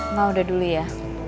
ma udah dulu ya